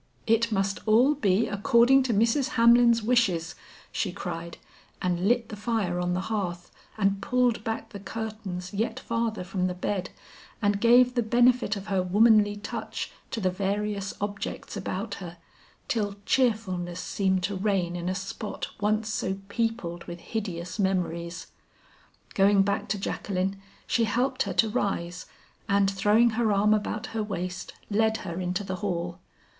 "It must all be according to Mrs. Hamlin's wishes," she cried, and lit the fire on the hearth, and pulled back the curtains yet farther from the bed, and gave the benefit of her womanly touch to the various objects about her, till cheerfulness seemed to reign in a spot once so peopled with hideous memories. Going back to Jacqueline, she helped her to rise, and throwing her arm about her waist, led her into the hall.